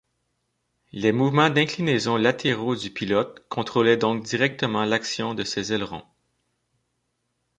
Les mouvements d'inclinaison latéraux du pilote contrôlaient donc directement l'action de ces ailerons.